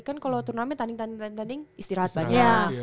kan kalau turnamen tanding tanding tanding istirahat banyak